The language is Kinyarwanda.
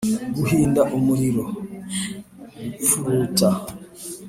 guhinda umuriro, gupfuruta,